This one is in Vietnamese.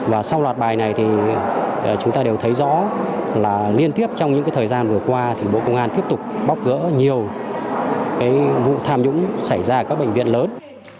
và sau loạt bài này thì chúng ta đều thấy rõ là liên tiếp trong những thời gian vừa qua thì bộ công an tiếp tục bóc gỡ nhiều vụ tham nhũng xảy ra ở các bệnh viện lớn